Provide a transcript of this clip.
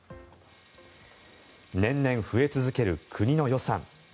年々増え続ける国の予算。